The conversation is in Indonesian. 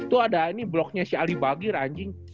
itu ada ini bloknya si alibagir anjing